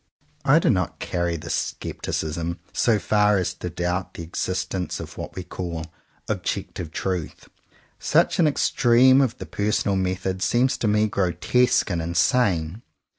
I do not carry my scepticism so far as to doubt the existence of what we call *'ob jective truth." Such an extreme of the personal method seems to me grotesque and insane.